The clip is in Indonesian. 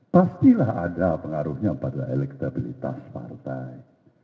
pastilah ada pengaruhnya pada elektabilitas partai